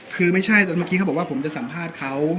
คือไม่ใช่เมื่อกี้เขาบอกว่าผมจะสัมภาษณ์เขา